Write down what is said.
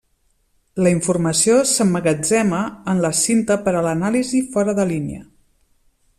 La informació s'emmagatzema en la cinta per a l'anàlisi fora de línia.